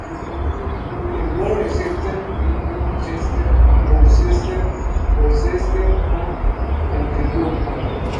They were Exeter, Lincoln, Chester, Gloucester, Worcester, and Canterbury.